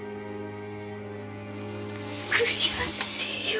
悔しいよ。